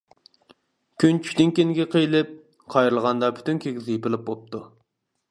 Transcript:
كۈن چۈشتىن كېيىنگە قىيىلىپ، قايرىلغاندا پۈتۈن كىگىز يېپىلىپ بوپتۇ.